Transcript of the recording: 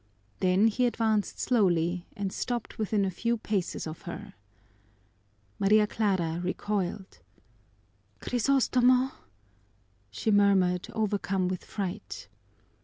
Then he advanced slowly and stopped within a few paces of her. Maria Clara recoiled. "Crisostomo!" she murmured, overcome with fright.